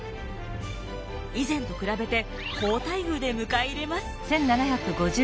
以前と比べて好待遇で迎え入れます。